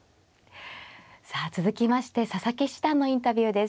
さあ続きまして佐々木七段のインタビューです。